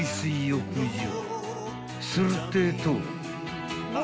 ［するってぇと］